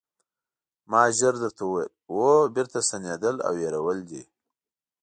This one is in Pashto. ما ژر درته وویل: هو بېرته ستنېدل او هېرول دي.